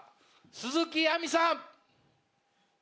鈴木亜美さん！